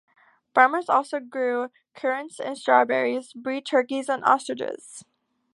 Farmers also grow currants and strawberries, breed turkeys and ostriches.